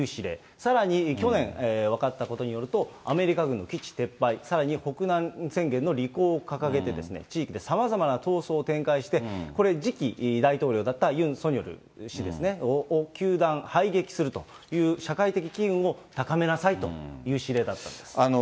さらに去年、分かったことによると、アメリカ軍の基地撤廃、さらに北南宣言の履行を掲げて、地域でさまざまな闘争を展開して、これ、次期大統領だったユン・ソンニョル氏を糾弾排撃するという、社会的機運を高めなさいという指令だったんです。